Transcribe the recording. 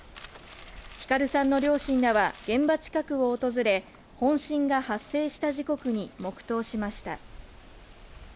晃さんの両親らは現場近くを訪れ、本震が発生した時刻に黙とうしました。